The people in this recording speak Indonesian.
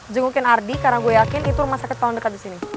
jengukin ardi karena gue yakin itu rumah sakit paling dekat di sini